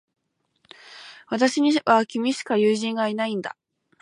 私には、君しか友人がいないんだ。